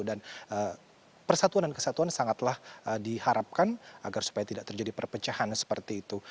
dan persatuan dan kesatuan sangatlah diharapkan agar supaya tidak terjadi perpecahan seperti itu